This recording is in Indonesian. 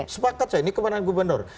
sepakat saya ini kemenangan gubernur